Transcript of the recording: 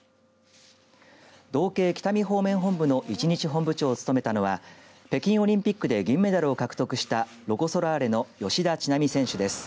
道警北見方面本部の一日本部長を務めたのは北京オリンピックで銀メダルを獲得したロコ・ソラーレの吉田知那美選手です。